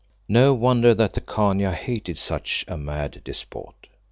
No wonder that the Khania hated such a mad despot.